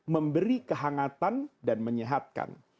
memberi kehangatan dan menyehatkan